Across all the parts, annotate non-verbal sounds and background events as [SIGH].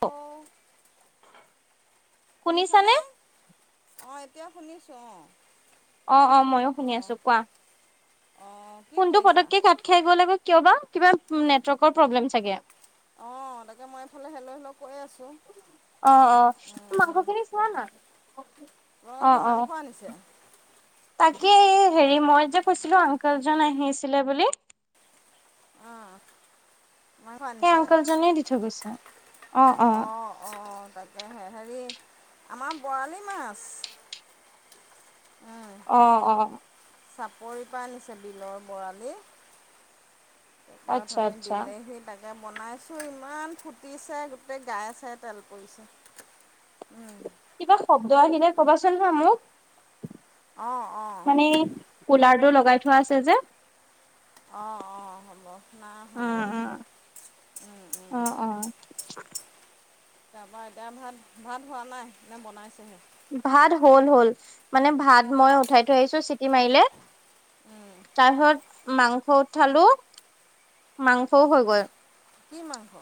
অ শুনিছানে অঁ এতিয়া শুনিছোঁ অ অ অ মইয়ো শুনি অ' আছো কোৱা অ' কি কোনটো কৰিছা? পকে ক খ লাগ ক কিবা অ তাকে মই এইফালে হেলৈ হেলৈ কৈ আছো অ অ মাংসখিনি চোৱা নাই তোমালোকৰ অ কি অ মাংস আনিছে? তাকেই হেৰি মই যে কৈছিলো অংকেলজন আহিছিলে বুলি অ' মাংস সেই আনিছিলে আংকলজনে দি থৈ গৈছে। অ অ তিছ হেৰি আমাৰ বৰালি মাছ অ অ চাপৰি পৰাাইনিছে বিলৰ বৰালি পেক আচ্ছা ধনিী আচ্ছা। দিলেহি তাকে এয়া বনাইছোঁ ইমান ফুটিছে গোটেই গাই চাই তেল পৰিছে উম কিবা শব্দ আহিলে কবাচোন হা মোক অ' অ' মানে কুলাৰটো লগাই থোৱা আছে যে অ অ হ'ব নাই আহা উম, বাৰু উম, অ', [INAUDIBLE] তাৰ পৰাা এতিয়া ভাত ভাত হোৱা নাই নে বনাইছেোহি ভাত হল হল মানে ভাত মই উঠাই থৈ আহিছো চিটি মাৰিলে উম, তাৰহত মাংস উঠালো মাংসও হৈ গৈ কি মাংস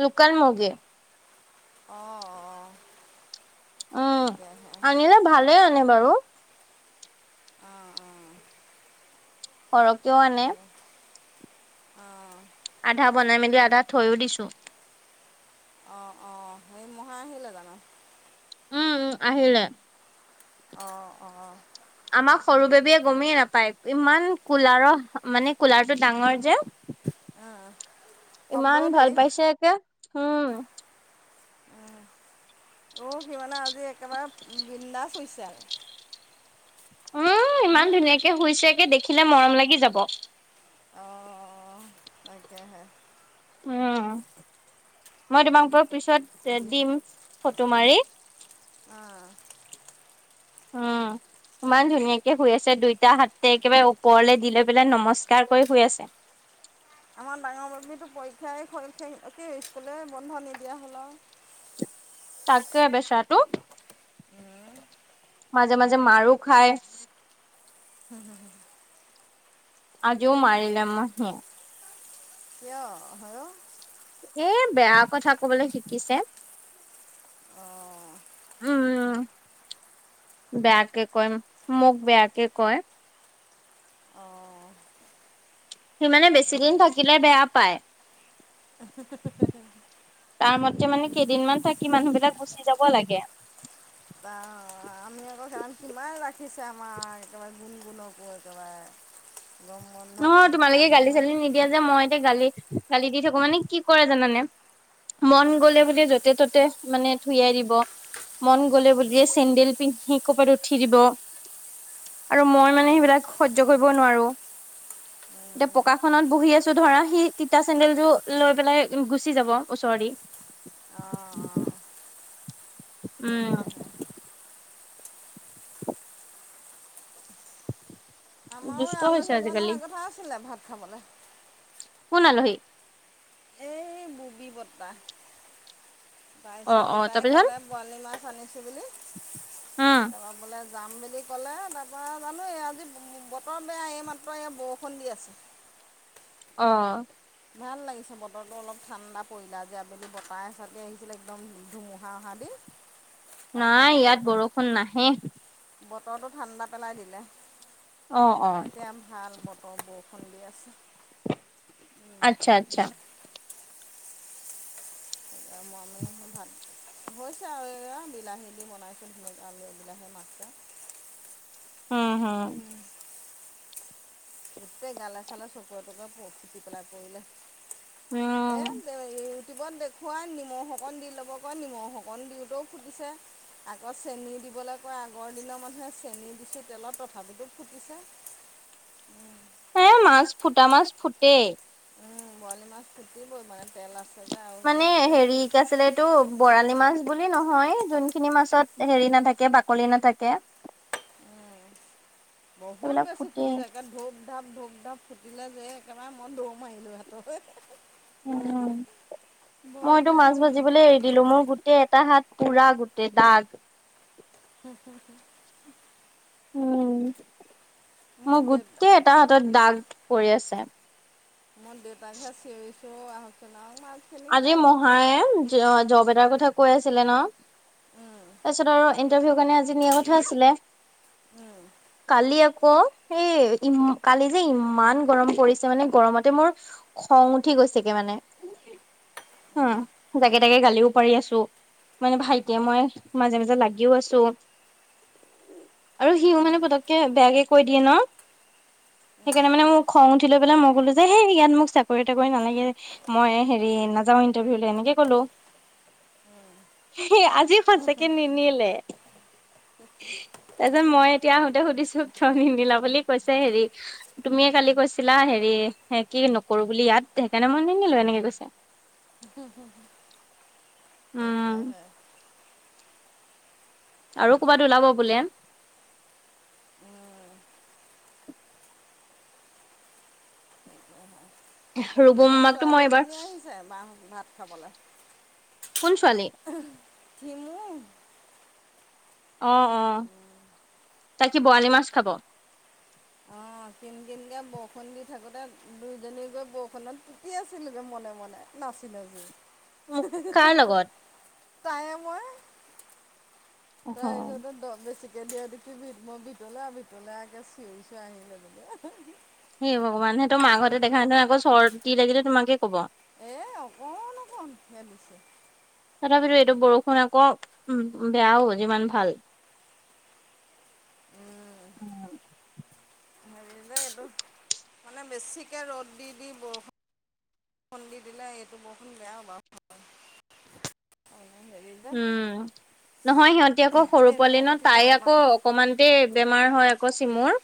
লুকাল মগে অঁ অঁ উম তাকেহে আনিলে ভালে আনে বাৰু অঁ অঁ সৰকেও আনে আহ আধা বনাই মেলি আধা থৈও দিছো অ অ সেই মহা আহিলে জানো উম উ আহ আহিল আহ অ আমাক সৰু বেবীয়ে গমেই নাপায় ইমান কুলাৰৰ মানে কুলাৰটো ডাঙৰ যে শব্দও ইমান ধেৰ। ভাল পাইছে একে হম অ সি মমানে আজি একেবাৰে বিন্দাছ হৈছে আৰু উম হুম? ইমান ধুনীয়াকে শুইছে দেখিলে মৰম লাগি যাব অ সেইটোয়ে হয় উম মই তোমাক বাৰু পিছত দিম ফটো মাৰি অ অ ইমান ধুনীয়াকে শুই আছে দুইটা হাতে একেবাৰে ওপৰলে দি লৈ পেলাই নমস্কাৰ কৰি শুই আছে [INAUDIBLE] আমাৰ ডাঙৰ [UNINTELLIGIBLE] পৰীক্ষাই পৰীক্ষা স্কুলে বন্ধ নিদিয়া হ'ল অ [INAUDIBLE] তাকে বেচাটো মাজে মাজে মাৰো খায় [INAUDIBLE] আজিও মাৰিলে মা মোক কিয় বাৰু এ বেয়া কথা কবলৈ শিকিছে অঁ উম বেয়াকে কয় মোক বেয়াকে কয় অঁ সিমানে বেছি দিন তাকে। থাকিলে বেয়া পায় তাৰ মতে মানে কেইদিনমান থাকি মানুহ বিলাক গুচি যাব লাগে অ আমি আকৌ কাৰণ কিমান ৰাখিছে আমাৰ একেবাৰে গুণগুণকো একেবাৰে গৰম ন বন্ধত কেত তোমালোকে গালি আহিবা চালি নিদিয়া যে মই এতিয়া গালি গালি দি থাকো মানে কি কৰে জানানে মন গলে বুলি য'তে ত'তে মানে থুয়াই দিব মন গলে বুলি চেণ্ডেল পিন্ধি ক'ৰবাত উঠি দিব আৰু মই মানে সেইবিলাক সহ্য কৰিব নোৱাৰো [INAUDIBLE] এতিয়া পকাখনত বহি আছো ধৰা সি তিতা চেন্দেলটো লৈ পেলাই গুচি যাব ওচৰেদি অ' অ'। তাকে উম হে। আমাৰো দুষ্ট আলহী হৈছে এজন আজিকালি অহাৰ কথা আছিলে ভাত খাবলৈ। কোন আলহী? এই ববি বটাহ। অ তাৰপিছত অ দেউতাই তাৰপিছত কলে বৰালি মাছ আনিছো বুলি, উম তোমাক বোলে যাম বুলি ক'লে, তাৰপৰা জানো এই আজি বতৰ বেয়া এইমাত্ৰ এই বৰষুণ দি আছে। [INAUDIBLE] অ'। ভাল লাগিছে বতৰটো অলপ ঠাণ্ডা পৰিলে যে আবেলি বতাহ এচতেই আহিছিলে একদম ধুমুহা অহা দি। [INAUDIBLE] তাৰপৰা নাই, ইয়াত বতৰটো বৰষুণ নাহে। বতৰটো ঠাণ্ডা পেলাই দিলে, অ অ এতিয়া ভাল বতৰ অ' বৰষুণ দি আছে। আচ্ছা আচ্ছা। বহুত মই মানে ভাত হৈছে আৰু এইয়া বিলাহী দি বনাইছোঁ ধুনীয়াকে আলু বিলাহী মাছে। হম হম। গোটেই গালে চালে চকুৰে তোকে প ফুটি পেলাই পৰিলে। উম এ দে ইউ টিউবত দেখুৱাই নিমখ অকণ দি ল'ব কয় নিমখ অকণ দিওঁতেও সুধিছে আকৌ চেনী দিওঁ দিবলৈ কয় আগৰ দিনৰ মানুহে চেনি দিছো তেলত তথাপিতো ফুটিছে। হে মাছ ফুটা মাছ ফুটে। বৰালি মাছ ফুটিবই মানে তেল আছে। যে আৰু মানে যে হেৰি কি আছিলে এইটো বৰালি মাছ বুলি নহয় যোনখিনি মাছত হেৰি নাথাকে বাকলি নাথাকে। উ বহুত সেইবিলাক বেছি ফুটি ফুটেই যায়ণ ধূপ ধাপ ধূপ ধাপ ফু দিলে যে একেবাৰে মন দৌ মাৰিলোঁহঁত। উ ভয় মইটো খাই মাছ গ'লোঁ ভাজিবলৈ এৰি দিলো মোৰ গোটেই এটা হাত পোৰা গোটেই দাগ। [INAUDIBLE] উম, মই মোৰ দেউতা গোটেই এটা হাতত দাগ পৰি আছে। মই দেউতাকহে চিঞৰিছো আহকচোন আৰু মা আজি মহায়ে জপ এটাৰ কথা কৈ আছিলে ন। উম, তাৰপিছত আৰু ইণ্টাৰভিউ কাৰণে আজি নিয়া কথা আছিলে, কালি আ অ' এই ই কালি যে ইমান গৰম পৰিছে মানে গৰমতে মোৰ খং উঠি গৈ কৈছেগে মানে। [INAUDIBLE] উম জাগে তাগে গালিও পাৰি আছো, মানে ভাইটিয়ে মই মাজে মাজে লাগিও আছো। আৰু সিও মানে পতককে বেয়াকে কৈ দিয়ে ন। সেইকাৰণে মানে মোৰ খং উঠি লৈ পেলাই মই ক'লো যে হেই ইয়াত মোক চাকৰি তাকৰি নালাগে মই হেৰি নাযাও ইটাৰভিউ এনেকে কলো। সেই আজি সচাকে নিনিলে। তাৰ পিছত মই এতিয়া আহোতে সুধিছো। থ নিদিলা বুলি কৈছে হেৰি তুমিয়ে কালি কৈছিলা হেৰি কি নকৰো বুলি ইয়াত। সেইকাৰণে মই নিনিলো এনেকে কৈছে। উম [INAUDIBLE] আৰু ক'বাত ওলাব বোলে। উম। [INAUDIBLE] আমাৰ ৰুবুমাকতো মই এইবাৰ ছোৱালীজনী আহিছে বাহ ভাত কোন ছোৱালী খাবলৈ। কিমু। আহ অ' তাই কি বৰালি মাছ খাব? অ' কিন কিনকৈ বৰষুণ দি থাকোঁতে দুইজনী গৈ বৰষুণত পুতি আছিলগৈ মনে মনে। নাছিলে যে, মোক কাৰ লগত তাইে মই। অহ তাই চটো দ বেছিক গি কি ভিত মই ভিতলে আৰু ভিতলেকে চিঞৰিছো আহিলে বোলে। সেই ভগৱান সে তোৰ মাকাহঁতে দেখা নহয় আকৌ চৰ দি লাগিলে তোমাকে ক'ব। এ অকণ অকণ খেলিছে, উম। উ বেয়াও যিমান ভাল। উম। [INAUDIBLE] হেৰি যে, এইটো মানে বেছিকে ৰ'দ দি দি বৰষুণ খুন্দি দিলে এইটো বৰষুণ বেয়া হ'ব বাৰু। হেৰি যে উম, নহয় সিহঁতি আকৌ সৰু এই পোৱালি ন বৰষুণ তিতা তাই বেমাৰ আকৌ অকমানতে বেমাৰ হয় আকৌ চিমুৰ।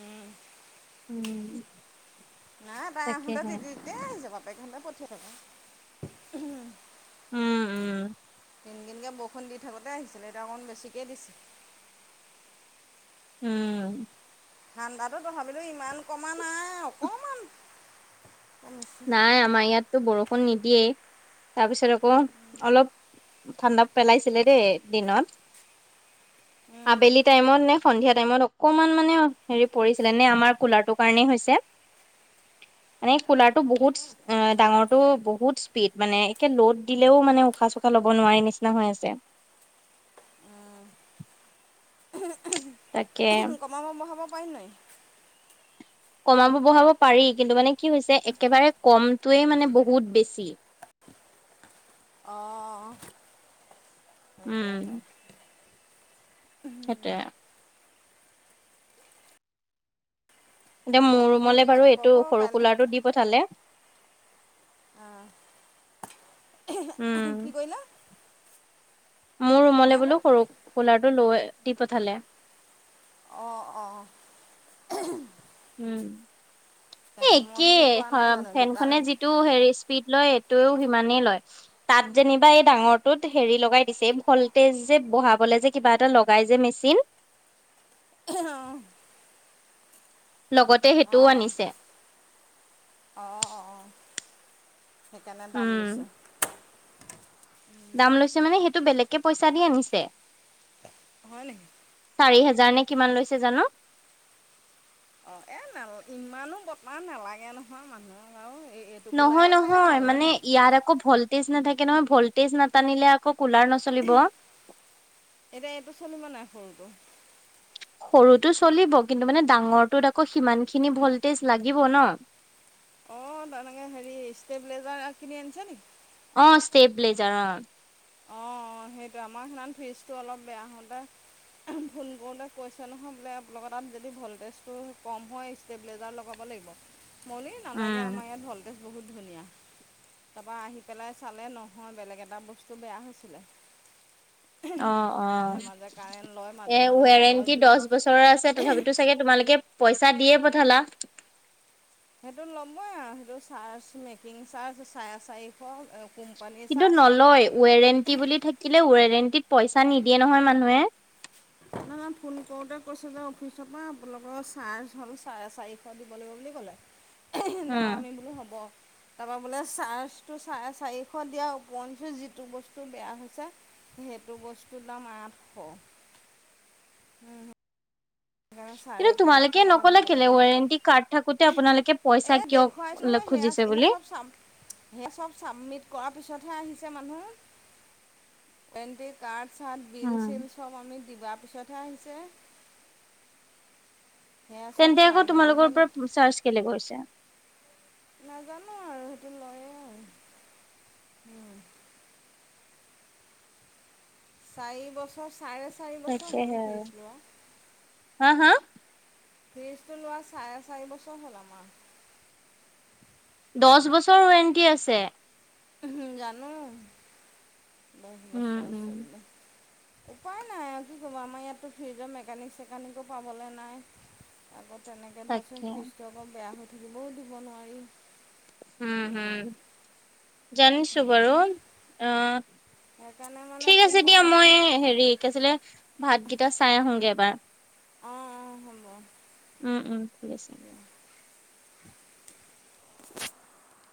উম উম, নাই তাই আহোঁতে তাকেহে। তিতিতি আহিছে প বে পঠিয়া থা উম উম। কিনকিনকৈ বৰষুণ দি থাকোঁতে আহিছিলে এতিয়া অকণ বেছিকেই দিছে। উম। ঠান্দাটো তথাপিও ইমান কমা নাই, অকমান নাই আমাৰ ইয়াততো বৰষুণ নিদিয়েই, তাৰপিছত আকৌ অলপ ঠাণ্ডা পেলাইছিলে দেই দিনত, আবেলি টাইমত নে? সন্ধিয়া টাইমত অকমান মানে হেৰি পৰিছিলে নে আমাৰ কুলাৰটোৰ কাৰণেই হৈছে। অনে কলা বহুত অ ডাঙৰো বহুত স্পীড মানে একে লোড দিলেও মানে উশাহ চুখাহ ল'ব নোৱাৰি নিচি নিচনা হৈ আছে। উম। তাকে কমাব বহাব পাৰিম নাই? কমাব বঢ়াব পাৰি কিন্তু মানে কি হৈছে একেবাৰে কমটোৱে মানে বহুত বেছি। অ'। হয় হয়। সেইটোৱেই। এয়া কালি মোৰ বৰষুণো ৰুমলে দিয়ে বাৰু এইটো থাকক অ সৰু কাইলৈ কুলাৰটো দি পঠালে। আহ, উম কি কৰিলা? মোৰ ৰুমলৈ হেল্ল' বোলো সৰু, কুলাৰটো লৈ দি পঠালে। আহ অ'। উম এ মই একেই অথনি কোৱা নাই জানো দুটা ফেনখনে ৰুম যিটো হেৰি স্পিড লয় এইটোয়ও সিমানেই লয়, তাত যেনিবা এই ডাঙৰটোত হেৰি লগাই দিছে ভলটেজ যে বহাবলে যে কিবা এটা লগাই যে মেচিন। আহ। লগতে সেইটোও আনিছে। অঁ অঁ সেইকাৰণে দাম উম লৈছে। দাম লৈছে মানে সেইটো বেলেগকে পইচা দি আনিছে। হয় নেকি চাৰি হোজাৰ নে কিমান লৈছে জানো। অ' এ ন ইমানো বৰ্তমান নালাগে নহয় মানুহৰ আৰু। এই এইটো নহয় কুলাৰে চাগে নহয় ভাল হয় মানে নহয় ইয়াৰ আকৌ ভল্টেজ নাথাকে নহয় ভল্টেজ নাটানিলে আকৌ কুলাৰ নচলিব। এতিয়া এইটো [INAUDIBLE] সৰুটো চলিব কিন্তু মানে ডাঙৰটোত আকৌ সিমানখিনি ভল্টেজ লাগিব ন। অ, তেনেকে হেৰি ষ্টেবিলাইজাৰ কিনি আনিছে নেকি? অ, ষ্টেপ ব্লেজাৰ অ'। অ, সেইটো আমাৰ ফিজটো অলপ বেয়া হওঁতে ফোন কৰোঁতে কৈছে নহয় বোলে আলোকৰ তাত যদি ভল্টেজটো কম হয় ষ্টেবিলাইজাৰ লগাবলৈ। মই এ নালাগে উম আমাৰ ইয়াত ভল্টেজ বহুত ধুনীয়া তাৰপৰা আহি পেলাই চালে নহয় বেলেগ এটা বস্তু তটো বেয়া হৈছিলে। অ' অ' মাজে মাজে কাৰেণ্ট লয় মাজে এ মাজে নলয় ৱেৰেণ্টি জুই দহ বছৰৰ আছে তথাপিতো চাগে তোমাৰ লোকে পইচা দিয়ে পঠালা। সেইটো ল'বই আৰু সেইটো চাৰ্জ মেকিং চাৰ্জ চাৰে চাৰিশ। কোম্পানীৰ কিন্তু চাৰ্জ নলয় ৱৰেণ্টি বুলি থাকিলে ৱৰেণ্টিত পইচা নিদিয়ে নহয় মানুহে। [INAUDIBLE] ইমান ফোন কৰোঁতে কৈছোঁ যে অফিচৰ পৰা আপোনালোকৰ চাৰ্জ হ'ল চাৰে চাৰিশ দিব লাগিব বুলি ক'লে। যাবা উম আমি বোলো হ'ব। তাৰপা বোলে চাৰ্জ চ চাৰিশ দিয়া ওপ যিটো বস্তু বেয়া হৈছে। সেইটো বস্তুৰ দাম আঠশ। চাৰে এইটো তেৰশ তোমালোকে টকা নকলা দিব কেলে লগা ৱৰেন্টি কাৰ্ড থাকোতে আপোনালোকে পইছা এই দেখুৱাইছোঁ কিয় নহয় সেয়া খুজিছে সেই বুলি চব চ সে চব চাবমিট কৰাৰ পিছত [UNINTELLIGIBLE] আহিছে মানুহ এটি কাৰড চাত বিল উম। চিল চব আমি দিবা পিছতহে আহিছে। সেয়া চব তেন্তে চাই আকৌ মেলিহে তোমালোকৰ পৰা চাৰ্চ কেলে কৰিছে? নাজানো আৰু সেইটো লয়ে আৰু উম। চাৰি বছৰ চাৰে চাৰি বছৰ হ'ল তাকেহে ফ্ৰীজ আৰু লোৱা হা হা ফিজটো লোৱা চাৰে চাৰি বছৰ হ'ল আমাৰ। দহ বছৰ ৱাৰেণ্টি আছে। উম, জানো দহ উম বছৰ উম আছে বুলি। উপায় নাই আৰু কি ক'ব আমাৰ ইয়াততো ফ্ৰ্ৰীজৰ মেকানিক চেকানিকো পাবলৈ নাই আগত তেনেকে ধৰাচোন তাকে। ফ্ৰীজচটো আকৌ বেয়া হৈ থাকিবও দিব নোৱাৰি। উম, হম জানিছো বাৰু সেইকাৰণে আহ সেইকাৰণে মানে ঠিক আছে দিয়া পোন্ধৰশ মই হেৰি কি আছিলে ভাতকেইটা চাই আহোগে এবাৰ। অ' অ' হ'ব। উম, উম ঠিক আছে। [UNINTELLIGIBLE]